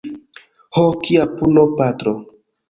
Ho, kia puno, patro!